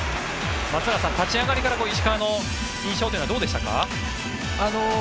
松坂さん、立ち上がりから石川の印象というのはどうでしたか？